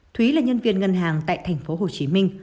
thúy là nhân viên ngân hàng tại tp hcm